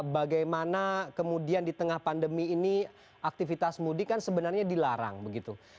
bagaimana kemudian di tengah pandemi ini aktivitas mudik kan sebenarnya dilarang begitu